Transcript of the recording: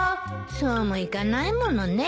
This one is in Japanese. そうもいかないものね。